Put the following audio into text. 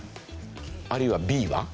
あるいは「Ｂ」は？